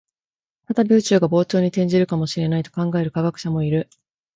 再び宇宙が膨張に転じるかもしれないと考える科学者もいる